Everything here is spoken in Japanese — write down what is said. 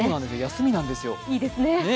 休みなんですよ。